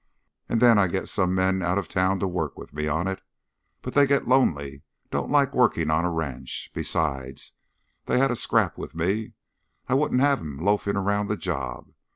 "And then I get some men out of town to work with me on it. But they get lonely. Don't like working on a ranch. Besides, they had a scrap with me. I wouldn't have 'em loafing around the job.